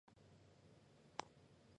目前全市人口中依然是藏族居多数。